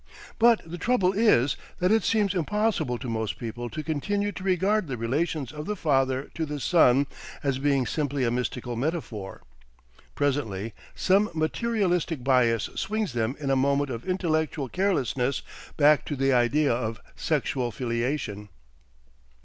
But the trouble is that it seems impossible to most people to continue to regard the relations of the Father to the Son as being simply a mystical metaphor. Presently some materialistic bias swings them in a moment of intellectual carelessness back to the idea of sexual filiation.